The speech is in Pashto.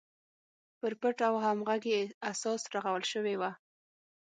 پر پټ او همغږي اساس رغول شوې وه.